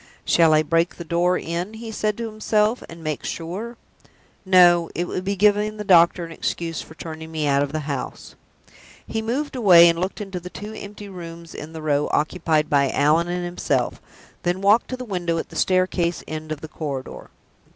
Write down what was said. "Shall I break the door in," he said to himself, "and make sure? No; it would be giving the doctor an excuse for turning me out of the house." He moved away, and looked into the two empty rooms in the row occupied by Allan and himself, then walked to the window at the staircase end of the corridor.